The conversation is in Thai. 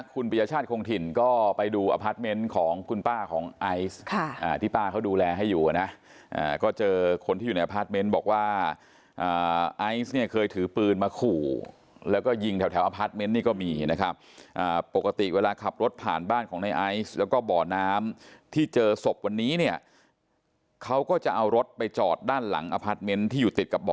คุณปริยชาติคงถิ่นก็ไปดูอพาร์ทเมนต์ของคุณป้าของไอซ์ที่ป้าเขาดูแลให้อยู่นะก็เจอคนที่อยู่ในอพาร์ทเมนต์บอกว่าไอซ์เนี่ยเคยถือปืนมาขู่แล้วก็ยิงแถวอพาร์ทเมนต์นี่ก็มีนะครับปกติเวลาขับรถผ่านบ้านของในไอซ์แล้วก็บ่อน้ำที่เจอศพวันนี้เนี่ยเขาก็จะเอารถไปจอดด้านหลังอพาร์ทเมนต์ที่อยู่ติดกับบ่อ